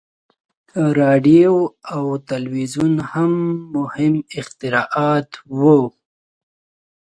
• راډیو او تلویزیون هم مهم اختراعات وو.